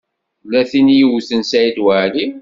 Tella tin i yewten Saɛid Waɛli?